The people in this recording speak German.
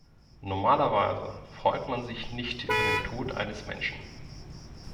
Normalerweise freut man sich nicht über den Tod eines Menschen.